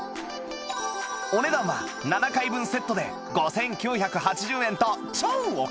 お値段は７回分セットで５９８０円と超お買い得